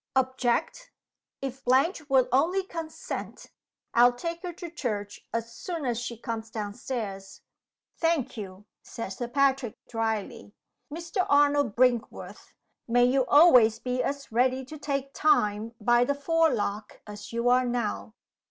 "Object! If Blanche will only consent, I'll take her to church as soon as she comes down stairs!" "Thank you!" said Sir Patrick, dryly. "Mr. Arnold Brinkworth, may you always be as ready to take Time by the forelock as you are now!